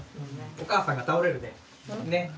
お母さんが倒れるで。ね。